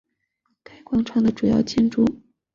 该广场的主要建筑是人民剧院。